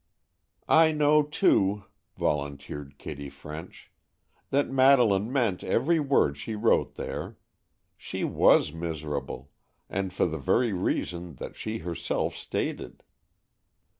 "I know, too," volunteered Kitty French, "that Madeleine meant every word she wrote there. She was miserable, and for the very reason that she herself stated!"